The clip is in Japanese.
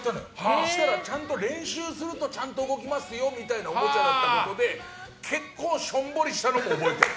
そしたら、ちゃんと練習するとちゃんと動きますよみたいなおもちゃだったことで結構しょんぼりしたのも覚えてる。